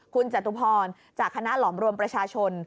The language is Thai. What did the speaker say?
คุณจตุพรจากคณะหลอมรวมประชาชน